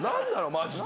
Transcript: マジで。